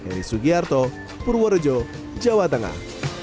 heri sugiarto purworejo jawa tengah